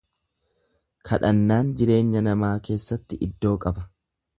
Kadhannaan jireenya namaa keessatti iddoo qaba.